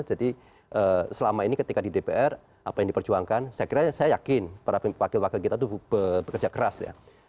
jadi selama ini ketika di dpr apa yang diperjuangkan saya kira saya yakin para wakil wakil kita itu bekerja keras ya